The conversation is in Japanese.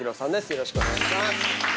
よろしくお願いします。